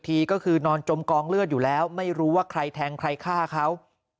ทีก็คือนอนจมกองเลือดอยู่แล้วไม่รู้ว่าใครแทงใครฆ่าเขา